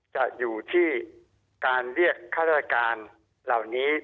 จะอยู่ที่การเรียกข้าราชการเหล่านี้